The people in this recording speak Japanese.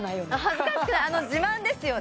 恥ずかしくない自慢ですよね